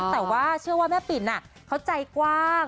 แต่ว่าเชื่อว่าแม่ปิ่นเขาใจกว้าง